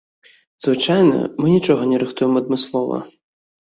Звычайна мы нічога не рыхтуем адмыслова.